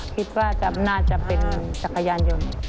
คิดว่าน่าจะเป็นจักรยานยนต์